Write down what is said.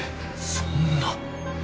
そんな。